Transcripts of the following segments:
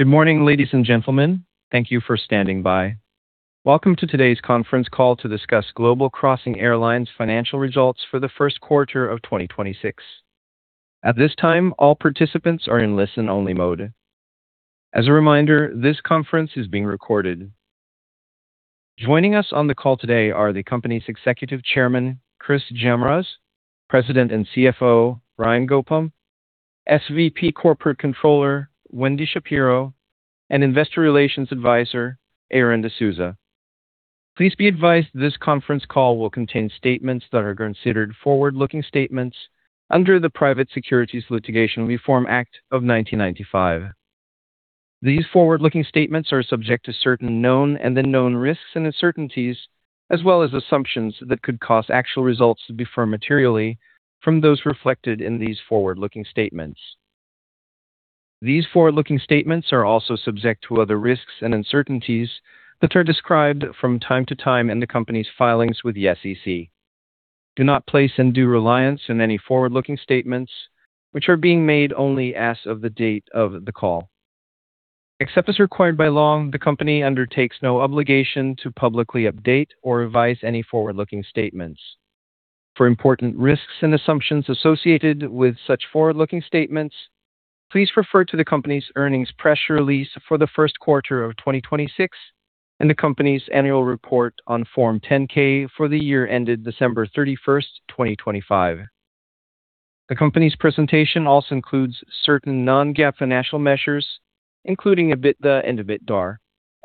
Good morning, ladies and gentlemen. Thank you for standing by. Welcome to today's conference call to discuss Global Crossing Airlines financial results for the first quarter of 2026. At this time, all participants are in listen-only mode. As a reminder, this conference is being recorded. Joining us on the call today are the company's Executive Chairman, Chris Jamroz; President and CFO, Ryan Goepel; SVP Corporate Controller, Wendy Shapiro; and Investor Relations Advisor, Aaron D'Souza. Please be advised this conference call will contain statements that are considered forward-looking statements under the Private Securities Litigation Reform Act of 1995. These forward-looking statements are subject to certain known and unknown risks and uncertainties, as well as assumptions that could cause actual results to differ materially from those reflected in these forward-looking statements. These forward-looking statements are also subject to other risks and uncertainties that are described from time to time in the company's filings with the SEC. Do not place undue reliance in any forward-looking statements, which are being made only as of the date of the call. Except as required by law, the company undertakes no obligation to publicly update or revise any forward-looking statements. For important risks and assumptions associated with such forward-looking statements, please refer to the company's earnings press release for the first quarter of 2026 and the company's annual report on Form 10-K for the year ended December 31st, 2025. The company's presentation also includes certain non-GAAP financial measures, including EBITDA and EBITDAR,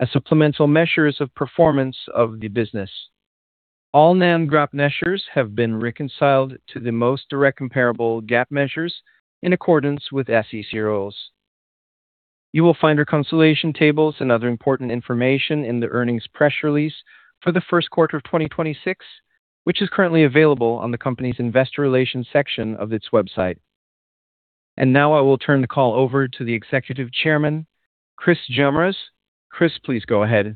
as supplemental measures of performance of the business. All non-GAAP measures have been reconciled to the most direct comparable GAAP measures in accordance with SEC rules. You will find reconciliation tables and other important information in the earnings press release for the first quarter of 2026, which is currently available on the company's investor relations section of its website. Now I will turn the call over to the Executive Chairman, Chris Jamroz. Chris, please go ahead.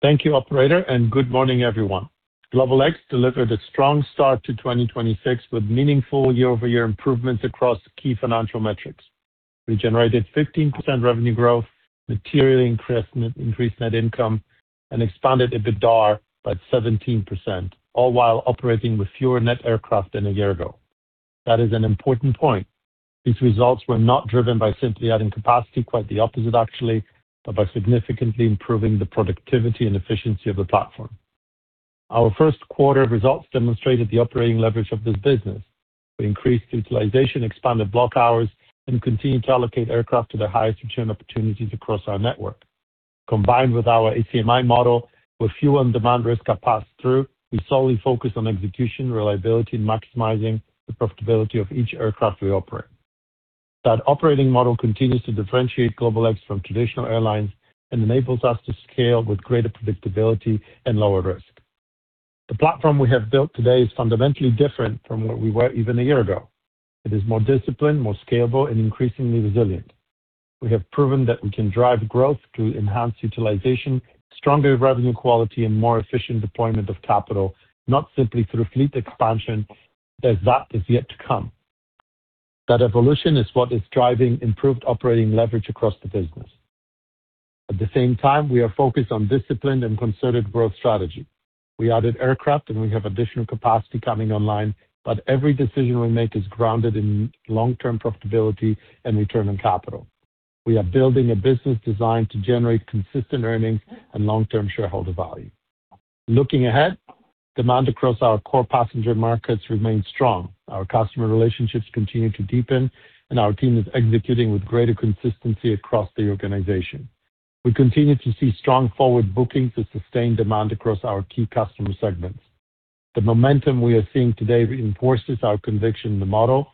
Thank you, Operator. Good morning, everyone. GlobalX delivered a strong start to 2026 with meaningful year-over-year improvements across key financial metrics. We generated 15% revenue growth, materially increased net income, and expanded EBITDA by 17%, all while operating with fewer net aircraft than a year ago. That is an important point. These results were not driven by simply adding capacity, quite the opposite actually, but by significantly improving the productivity and efficiency of the platform. Our first quarter results demonstrated the operating leverage of this business. We increased utilization, expanded block hours, and continued to allocate aircraft to their highest return opportunities across our network. Combined with our ACMI model, where fuel and demand risk are passed through, we solely focus on execution, reliability, and maximizing the profitability of each aircraft we operate. That operating model continues to differentiate GlobalX from traditional airlines and enables us to scale with greater predictability and lower risk. The platform we have built today is fundamentally different from where we were even a year ago. It is more disciplined, more scalable, and increasingly resilient. We have proven that we can drive growth through enhanced utilization, stronger revenue quality, and more efficient deployment of capital, not simply through fleet expansion, as that is yet to come. That evolution is what is driving improved operating leverage across the business. At the same time, we are focused on disciplined and concerted growth strategy. We added aircraft, and we have additional capacity coming online, but every decision we make is grounded in long-term profitability and return on capital. We are building a business designed to generate consistent earnings and long-term shareholder value. Looking ahead, demand across our core passenger markets remains strong. Our customer relationships continue to deepen, and our team is executing with greater consistency across the organization. We continue to see strong forward bookings and sustained demand across our key customer segments. The momentum we are seeing today reinforces our conviction in the model,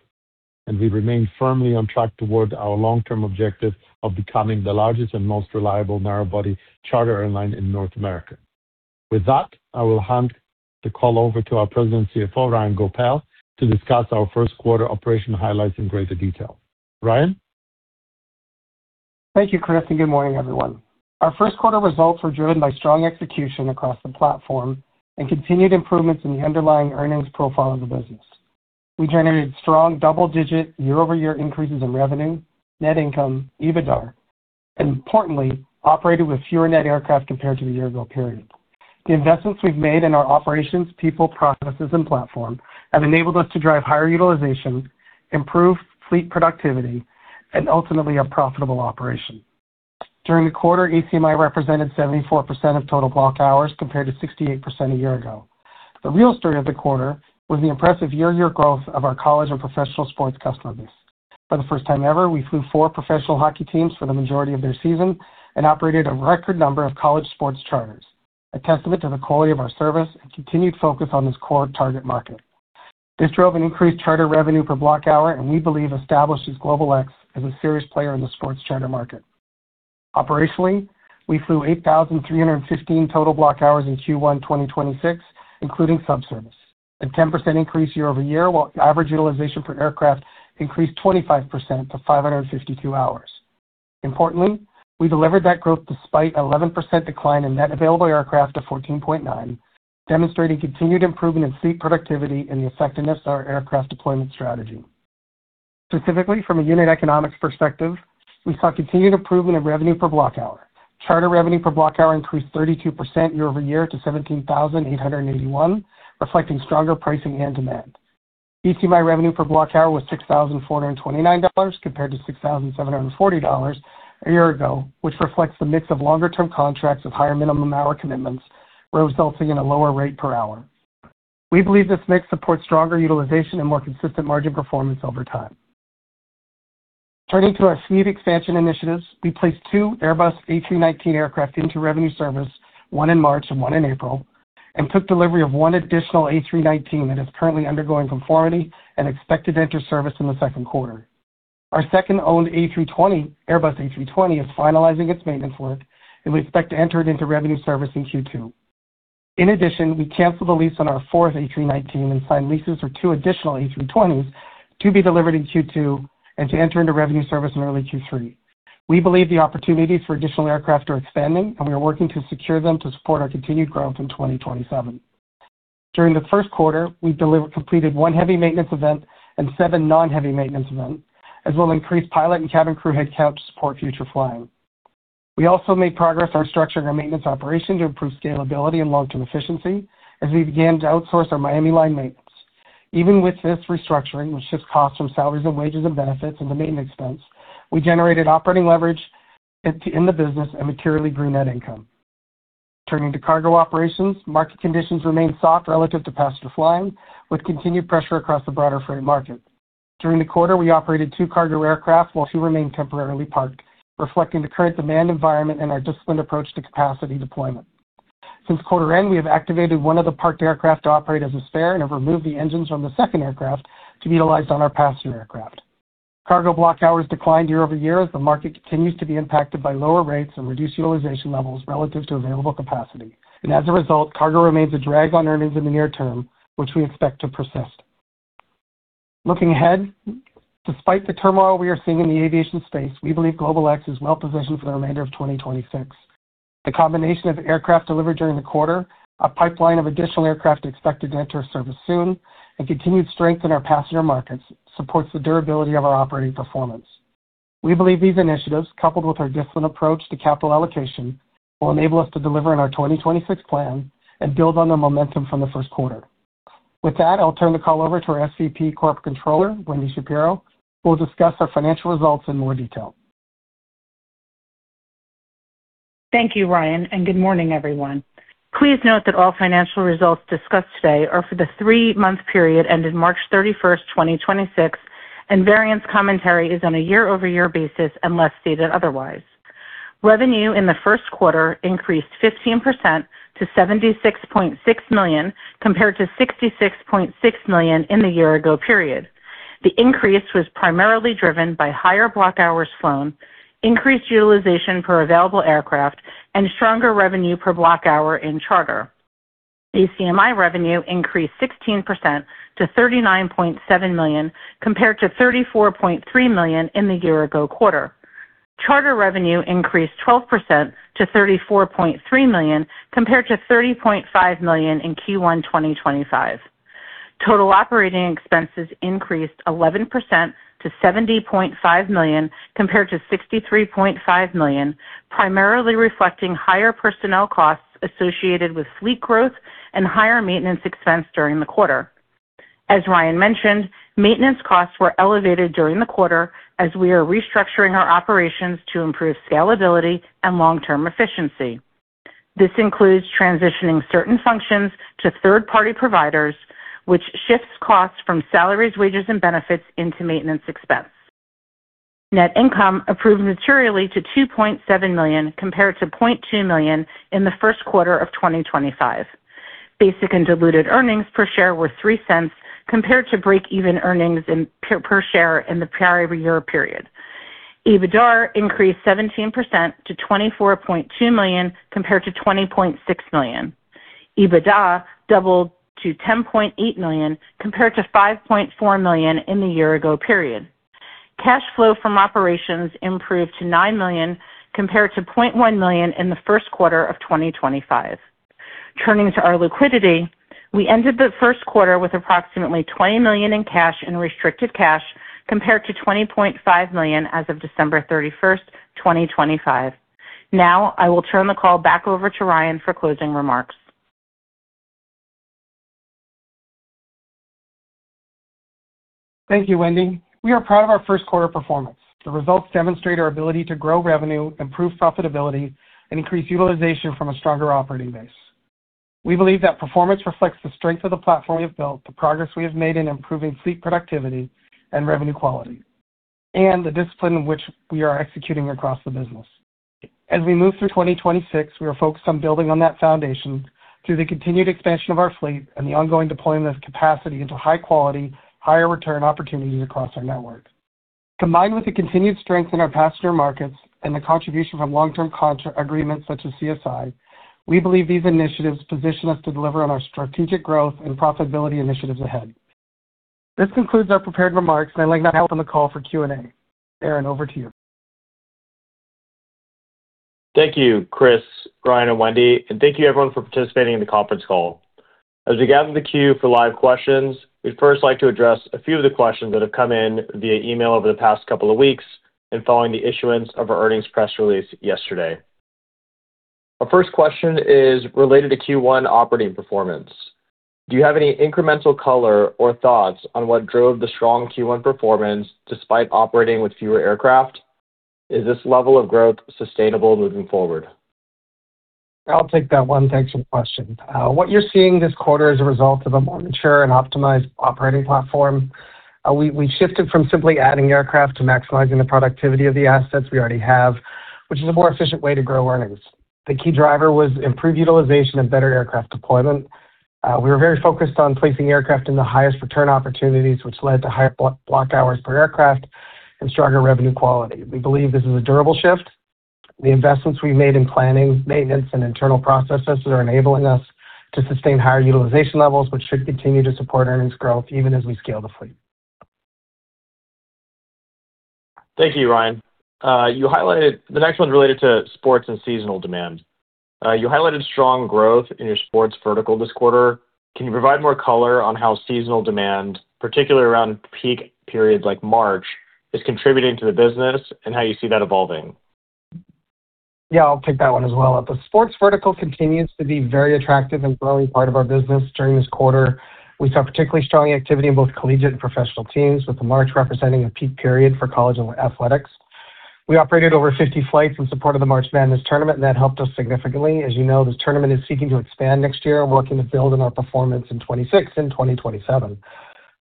and we remain firmly on track toward our long-term objective of becoming the largest and most reliable narrow-body charter airline in North America. With that, I will hand the call over to our President and CFO, Ryan Goepel, to discuss our first quarter operation highlights in greater detail. Ryan. Thank you, Chris, and good morning, everyone. Our first quarter results were driven by strong execution across the platform and continued improvements in the underlying earnings profile of the business. We generated strong double-digit year-over-year increases in revenue, net income, EBITDAR, and importantly, operated with fewer net aircraft compared to the year-ago period. The investments we've made in our operations, people, processes, and platform have enabled us to drive higher utilization, improve fleet productivity, and ultimately a profitable operation. During the quarter, ACMI represented 74% of total block hours compared to 68% a year ago. The real story of the quarter was the impressive year-over-year growth of our college and professional sports customer base. For the first time ever, we flew four professional hockey teams for the majority of their season and operated a record number of college sports charters, a testament to the quality of our service and continued focus on this core target market. This drove an increased charter revenue per block hour, and we believe establishes GlobalX as a serious player in the sports charter market. Operationally, we flew 8,315 total block hours in Q1 2026, including sub-service, a 10% increase year-over-year, while average utilization per aircraft increased 25% to 552 hours. Importantly, we delivered that growth despite 11% decline in net available aircraft to 14.9. Demonstrating continued improvement in seat productivity and the effectiveness of our aircraft deployment strategy. Specifically, from a unit economics perspective, we saw continued improvement in revenue per block hour. Charter revenue per block hour increased 32% year-over-year to $17,881, reflecting stronger pricing and demand. ACMI revenue per block hour was $6,429 compared to $6,740 a year ago, which reflects the mix of longer term contracts with higher minimum hour commitments, resulting in a lower rate per hour. We believe this mix supports stronger utilization and more consistent margin performance over time. Turning to our fleet expansion initiatives, we placed two Airbus A319 aircraft into revenue service, one in March and one in April, and took delivery of one additional A319 that is currently undergoing conformity and expected to enter service in the second quarter. Our second owned A320, Airbus A320 is finalizing its maintenance work, and we expect to enter it into revenue service in Q2. In addition, we canceled the lease on our fourth A319 and signed leases for two additional A320s to be delivered in Q2 and to enter into revenue service in early Q3. We believe the opportunities for additional aircraft are expanding, and we are working to secure them to support our continued growth in 2027. During the first quarter, we completed one heavy maintenance event and seven non-heavy maintenance events, as well increased pilot and cabin crew headcount to support future flying. We also made progress on structuring our maintenance operations to improve scalability and long-term efficiency as we began to outsource our Miami line maintenance. Even with this restructuring, which shifts costs from salaries and wages and benefits into maintenance expense, we generated operating leverage in the business and materially grew net income. Turning to cargo operations, market conditions remain soft relative to passenger flying, with continued pressure across the broader freight market. During the quarter, we operated two cargo aircraft while two remained temporarily parked, reflecting the current demand environment and our disciplined approach to capacity deployment. Since quarter end, we have activated one of the parked aircraft to operate as a spare and have removed the engines from the second aircraft to be utilized on our passenger aircraft. Cargo block hours declined year-over-year as the market continues to be impacted by lower rates and reduced utilization levels relative to available capacity. As a result, cargo remains a drag on earnings in the near term, which we expect to persist. Looking ahead, despite the turmoil we are seeing in the aviation space, we believe GlobalX is well-positioned for the remainder of 2026. The combination of aircraft delivered during the quarter, a pipeline of additional aircraft expected to enter service soon, and continued strength in our passenger markets supports the durability of our operating performance. We believe these initiatives, coupled with our disciplined approach to capital allocation, will enable us to deliver on our 2026 plan and build on the momentum from the first quarter. With that, I'll turn the call over to our SVP Corp Controller, Wendy Shapiro, who will discuss our financial results in more detail. Thank you, Ryan. Good morning, everyone. Please note that all financial results discussed today are for the three-month period ended March 31st, 2026, and variance commentary is on a year-over-year basis unless stated otherwise. Revenue in the first quarter increased 15% to $76.6 million, compared to $66.6 million in the year ago period. The increase was primarily driven by higher block hours flown, increased utilization per available aircraft, and stronger revenue per block hour in charter. ACMI revenue increased 16% to $39.7 million, compared to $34.3 million in the year ago quarter. Charter revenue increased 12% to $34.3 million, compared to $30.5 million in Q1 2025. Total operating expenses increased 11% to $70.5 million, compared to $63.5 million, primarily reflecting higher personnel costs associated with fleet growth and higher maintenance expense during the quarter. As Ryan mentioned, maintenance costs were elevated during the quarter as we are restructuring our operations to improve scalability and long-term efficiency. This includes transitioning certain functions to third-party providers, which shifts costs from salaries, wages, and benefits into maintenance expense. Net income improved materially to $2.7 million, compared to $0.2 million in the first quarter of 2025. Basic and diluted earnings per share were $0.03, compared to break-even earnings per share in the prior year period. EBITDAR increased 17% to $24.2 million, compared to $20.6 million. EBITDA doubled to $10.8 million, compared to $5.4 million in the year ago period. Cash flow from operations improved to $9 million, compared to $0.1 million in the first quarter of 2025. Turning to our liquidity, we ended the first quarter with approximately $20 million in cash and restricted cash, compared to $20.5 million as of December 31st, 2025. Now, I will turn the call back over to Ryan for closing remarks. Thank you, Wendy. We are proud of our first quarter performance. The results demonstrate our ability to grow revenue, improve profitability, and increase utilization from a stronger operating base. We believe that performance reflects the strength of the platform we have built, the progress we have made in improving fleet productivity and revenue quality, and the discipline in which we are executing across the business. As we move through 2026, we are focused on building on that foundation through the continued expansion of our fleet and the ongoing deployment of capacity into high quality, higher return opportunities across our network. Combined with the continued strength in our passenger markets and the contribution from long-term contract agreements such as CSI, we believe these initiatives position us to deliver on our strategic growth and profitability initiatives ahead. This concludes our prepared remarks, and I'd like now open the call for Q&A. Aaron, over to you. Thank you, Chris, Ryan, and Wendy. Thank you everyone for participating in the conference call. As we gather the queue for live questions, we'd first like to address a few of the questions that have come in via email over the past couple of weeks and following the issuance of our earnings press release yesterday. Our first question is related to Q1 operating performance. Do you have any incremental color or thoughts on what drove the strong Q1 performance despite operating with fewer aircraft? Is this level of growth sustainable moving forward? I'll take that one. Thanks for the question. What you're seeing this quarter is a result of a more mature and optimized operating platform. We shifted from simply adding aircraft to maximizing the productivity of the assets we already have, which is a more efficient way to grow earnings. The key driver was improved utilization and better aircraft deployment. We were very focused on placing aircraft in the highest return opportunities, which led to higher block hours per aircraft and stronger revenue quality. We believe this is a durable shift. The investments we made in planning, maintenance, and internal processes are enabling us to sustain higher utilization levels, which should continue to support earnings growth even as we scale the fleet. Thank you, Ryan. The next one related to sports and seasonal demand. You highlighted strong growth in your sports vertical this quarter. Can you provide more color on how seasonal demand, particularly around peak periods like March, is contributing to the business and how you see that evolving? Yeah, I'll take that one as well. The sports vertical continues to be very attractive and growing part of our business during this quarter. We saw particularly strong activity in both collegiate and professional teams, with March representing a peak period for college athletics. We operated over 50 flights in support of the March Madness tournament. That helped us significantly. As you know, this tournament is seeking to expand next year and working to build on our performance in 2026 and 2027.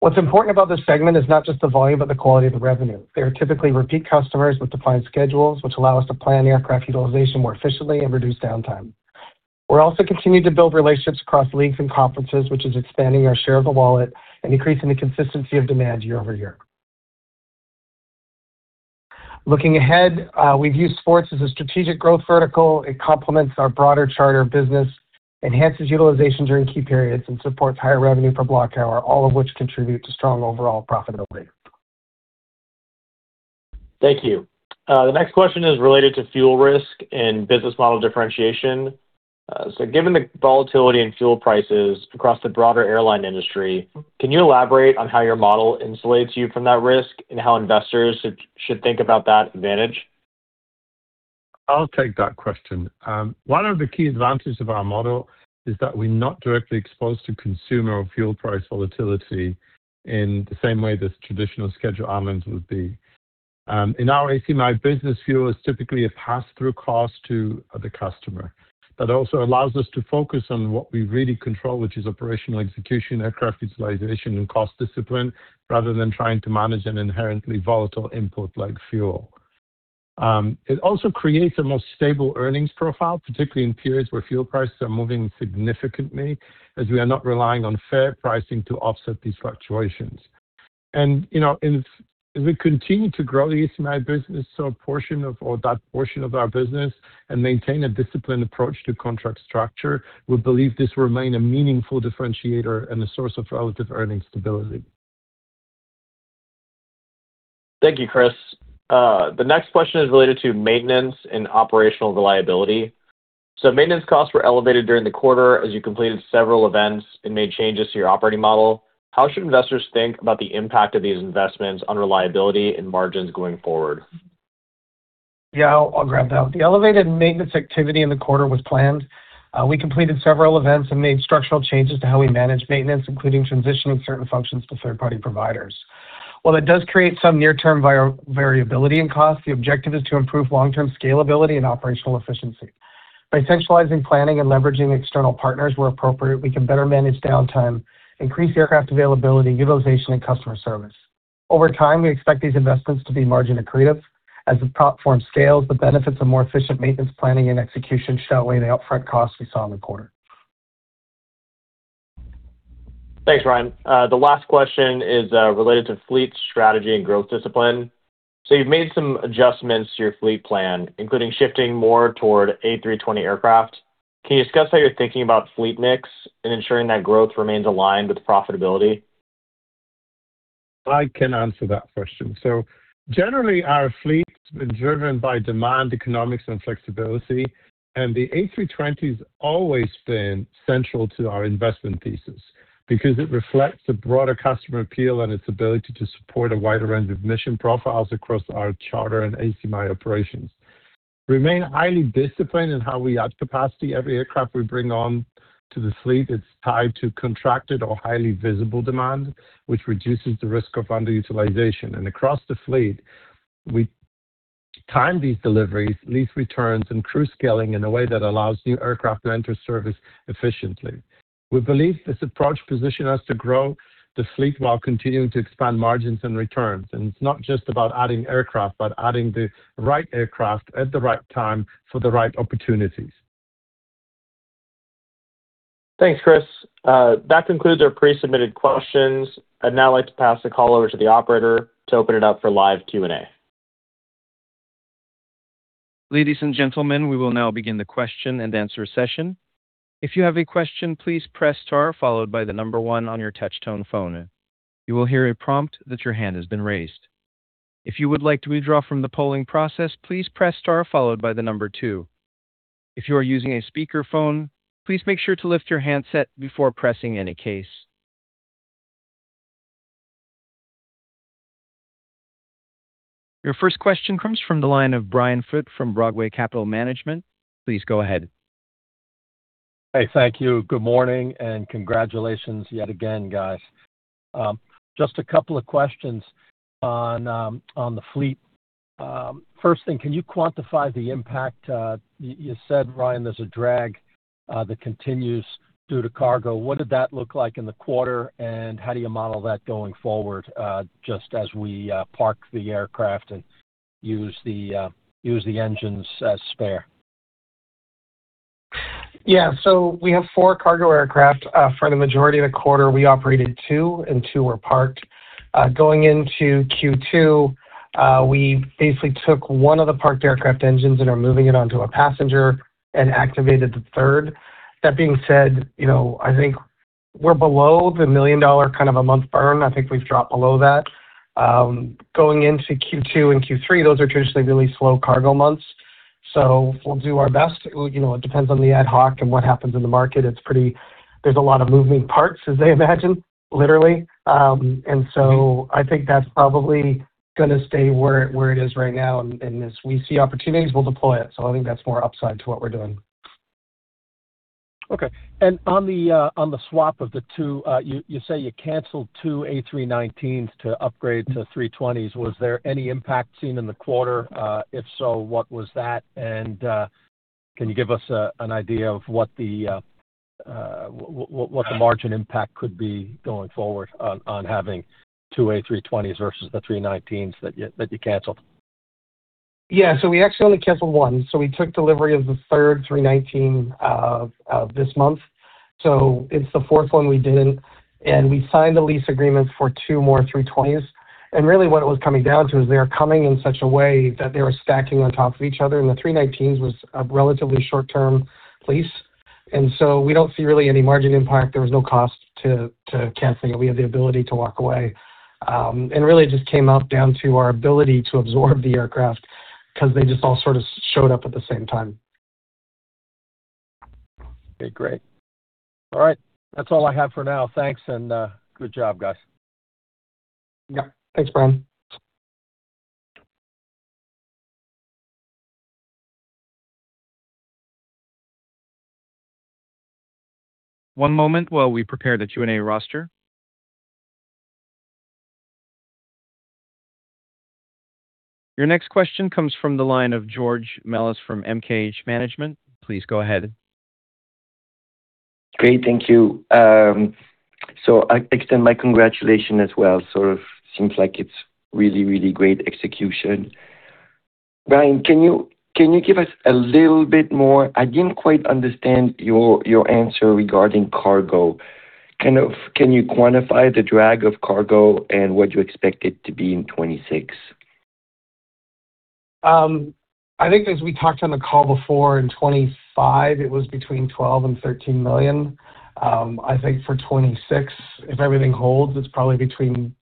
What's important about this segment is not just the volume, but the quality of the revenue. They are typically repeat customers with defined schedules, which allow us to plan aircraft utilization more efficiently and reduce downtime. We're also continuing to build relationships across leagues and conferences, which is expanding our share of the wallet and increasing the consistency of demand year-over-year. Looking ahead, we've used sports as a strategic growth vertical. It complements our broader charter business, enhances utilization during key periods, and supports higher revenue per block hour, all of which contribute to strong overall profitability. Thank you. The next question is related to fuel risk and business model differentiation. Given the volatility in fuel prices across the broader airline industry, can you elaborate on how your model insulates you from that risk and how investors should think about that advantage? I'll take that question. One of the key advantages of our model is that we're not directly exposed to consumer or fuel price volatility in the same way that traditional scheduled airlines would be. In our ACMI business, fuel is typically a passthrough cost to the customer. That also allows us to focus on what we really control, which is operational execution, aircraft utilization, and cost discipline, rather than trying to manage an inherently volatile input like fuel. It also creates a more stable earnings profile, particularly in periods where fuel prices are moving significantly, as we are not relying on fare pricing to offset these fluctuations. You know, if we continue to grow the ACMI business, so that portion of our business and maintain a disciplined approach to contract structure, we believe this will remain a meaningful differentiator and a source of relative earnings stability. Thank you, Chris. The next question is related to maintenance and operational reliability. Maintenance costs were elevated during the quarter as you completed several events and made changes to your operating model. How should investors think about the impact of these investments on reliability and margins going forward? Yeah, I'll grab that. The elevated maintenance activity in the quarter was planned. We completed several events and made structural changes to how we manage maintenance, including transitioning certain functions to third-party providers. While it does create some near-term variability in cost, the objective is to improve long-term scalability and operational efficiency. By centralizing planning and leveraging external partners where appropriate, we can better manage downtime, increase aircraft availability, utilization, and customer service. Over time, we expect these investments to be margin accretive. As the platform scales, the benefits of more efficient maintenance planning and execution should outweigh the upfront costs we saw in the quarter. Thanks, Ryan. The last question is related to fleet strategy and growth discipline. You've made some adjustments to your fleet plan, including shifting more toward A320 aircraft. Can you discuss how you're thinking about fleet mix and ensuring that growth remains aligned with profitability? I can answer that question. Generally, our fleet has been driven by demand, economics, and flexibility, and the A320s always been central to our investment thesis because it reflects the broader customer appeal and its ability to support a wider range of mission profiles across our charter and ACMI operations. We remain highly disciplined in how we add capacity. Every aircraft we bring on to the fleet, it's tied to contracted or highly visible demand, which reduces the risk of underutilization. Across the fleet, we time these deliveries, lease returns, and crew scaling in a way that allows new aircraft to enter service efficiently. We believe this approach positions us to grow the fleet while continuing to expand margins and returns, It's not just about adding aircraft, but adding the right aircraft at the right time for the right opportunities. Thanks, Chris. That concludes our pre-submitted questions. I'd now like to pass the call over to the operator to open it up for live Q&A. Ladies and gentlemen, we will now begin with the question and answer portion. Your first question comes from the line of Brian Foote from Broadway Capital Management. Please go ahead. Hey, thank you. Good morning and congratulations yet again, guys. Just a couple of questions on the fleet. First thing, can you quantify the impact? You said, Ryan, there's a drag that continues due to cargo. What did that look like in the quarter, and how do you model that going forward, just as we park the aircraft and use the engines as spare? Yeah. We have four cargo aircraft. For the majority of the quarter, we operated two and two were parked. Going into Q2, we basically took one of the parked aircraft engines and are moving it onto a passenger and activated the third. That being said, you know, I think we're below the million-dollar kind of a month burn. I think we've dropped below that. Going into Q2 and Q3, those are traditionally really slow cargo months. We'll do our best. You know, it depends on the ad hoc and what happens in the market. There's a lot of moving parts as they imagine, literally. I think that's probably gonna stay where it is right now. As we see opportunities, we'll deploy it. I think that's more upside to what we're doing. Okay. On the, on the swap of the two, you say you canceled two A319s to upgrade to A320s. Was there any impact seen in the quarter? If so, what was that? Can you give us an idea of what the, what the margin impact could be going forward on having two A320s versus the A319s that you canceled? Yeah. We actually only canceled one. We took delivery of the third A319 this month. It's the fourth one we did, and we signed the lease agreements for two more A320s. Really what it was coming down to is they are coming in such a way that they were stacking on top of each other, and the A319s was a relatively short-term lease. We don't see really any margin impact. There was no cost to canceling it. We had the ability to walk away. Really it just came out down to our ability to absorb the aircraft 'cause they just all sort of showed up at the same time. Okay. Great. All right. That's all I have for now. Thanks, and good job, guys. Yeah. Thanks, Brian. One moment while we prepare the Q&A roster. Your next question comes from the line of George Melas-Kyriazi from MKH Management. Please go ahead. Great. Thank you. I extend my congratulations as well. Sort of seems like it's really great execution. Ryan, can you give us a little bit more. I didn't quite understand your answer regarding cargo. Kind of can you quantify the drag of cargo and what you expect it to be in 2026? I think as we talked on the call before in 2025, it was between $12 million and $13 million. I think for 2026, if everything holds, it's probably between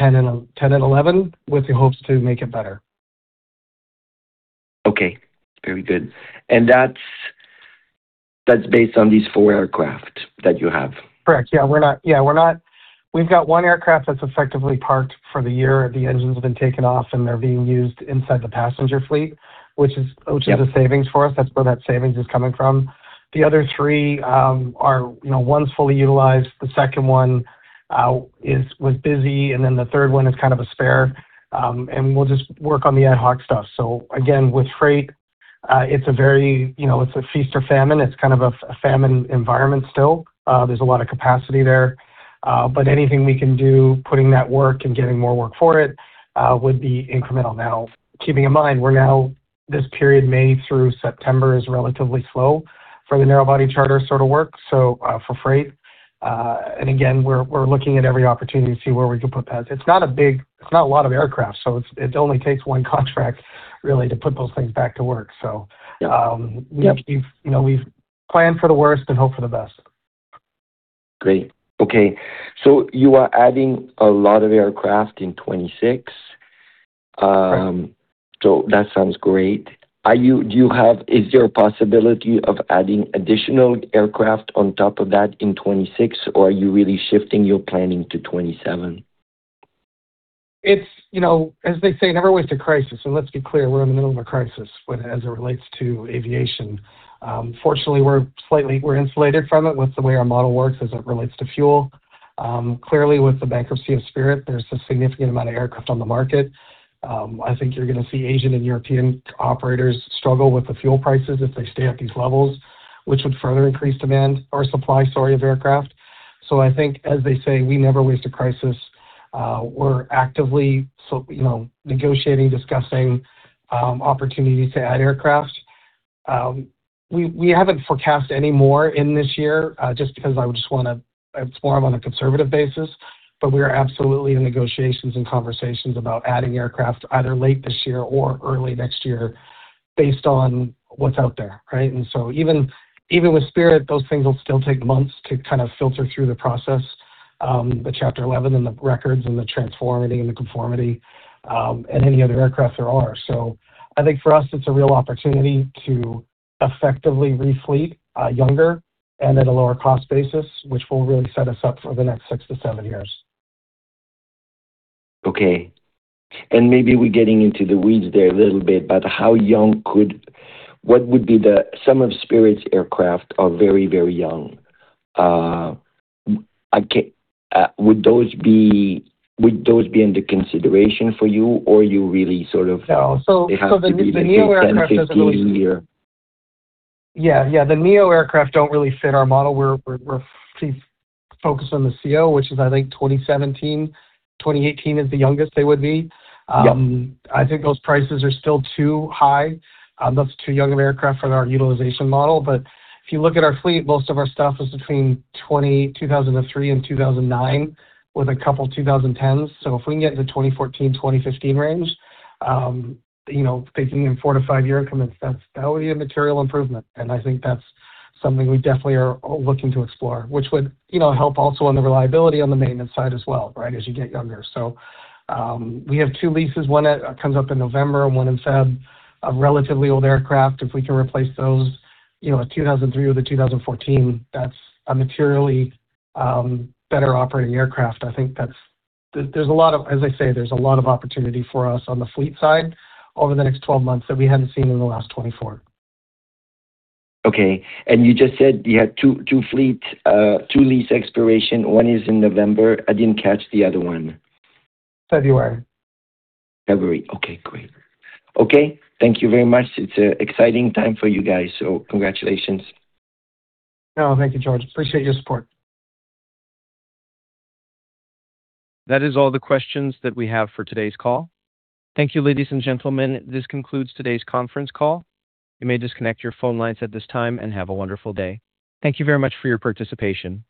$10 million and $11 million, with the hopes to make it better. Okay. Very good. That's based on these four aircraft that you have? Correct. Yeah, we're not We've got one aircraft that's effectively parked for the year. The engine's been taken off, and they're being used inside the passenger fleet. Which is a savings for us. That's where that savings is coming from. The other three, you know, one's fully utilized, the second one was busy, and then the third one is kind of a spare. We'll just work on the ad hoc stuff. Again, with freight, it's a very, you know, it's a feast or famine. It's kind of a famine environment still. There's a lot of capacity there. Anything we can do, putting that work and getting more work for it, would be incremental. Now keeping in mind, this period May through September is relatively slow for the narrow body charter sort of work, so, for freight. Again, we're looking at every opportunity to see where we can put that. It's not a lot of aircraft, it only takes one contract really to put those things back to work. Yeah. Yep. We've, you know, we've planned for the worst and hope for the best. Great. Okay. You are adding a lot of aircraft in 2026. That sounds great. Is there a possibility of adding additional aircraft on top of that in 2026, or are you really shifting your planning to 2027? It's, you know, as they say, never waste a crisis. Let's be clear, we're in the middle of a crisis as it relates to aviation. Fortunately, we're insulated from it with the way our model works as it relates to fuel. Clearly, with the bankruptcy of Spirit, there's a significant amount of aircraft on the market. I think you're gonna see Asian and European operators struggle with the fuel prices if they stay at these levels, which would further increase demand or supply, sorry, of aircraft. I think, as they say, we never waste a crisis. We're actively, you know, negotiating, discussing opportunities to add aircraft. We, we haven't forecast any more in this year, just because I just want to explore them on a conservative basis. We are absolutely in negotiations and conversations about adding aircraft either late this year or early next year based on what's out there, right? Even, even with Spirit, those things will still take months to kind of filter through the process, the Chapter 11 and the records and the transforming and the conformity, and any other aircraft there are. I think for us it's a real opportunity to effectively refleet, younger and at a lower cost basis, which will really set us up for the next 6-7 years. Okay. maybe we're getting into the weeds there a little bit, but how young. What would be. Some of Spirit's aircraft are very, very young. Would those be under consideration for you or you really. No. They have to be the new 10-15-year. Yeah, yeah. The neo aircraft don't really fit our model. We're pretty focused on the CEO, which is I think 2017. 2018 is the youngest they would be. Yep. I think those prices are still too high. That's too young of aircraft for our utilization model. If you look at our fleet, most of our stuff is between 2003 and 2009, with a couple 2010s. If we can get into 2014, 2015 range, you know, thinking in four to five-year commitments, that would be a material improvement. I think that's something we definitely are looking to explore, which would, you know, help also on the reliability on the maintenance side as well, right? As you get younger. We have two leases. one comes up in November and one in Feb. A relatively old aircraft. If we can replace those, you know, a 2003 with a 2014, that's a materially better operating aircraft. As I say, there's a lot of opportunity for us on the fleet side over the next 12 months that we hadn't seen in the last 2024. Okay. You just said you had two fleet, two lease expiration. One is in November. I didn't catch the other one. February. February. Okay, great. Okay. Thank you very much. It's an exciting time for you guys. Congratulations. Oh, thank you, George. Appreciate your support. That is all the questions that we have for today's call. Thank you, ladies and gentlemen. This concludes today's conference call. You may disconnect your phone lines at this time and have a wonderful day. Thank you very much for your participation.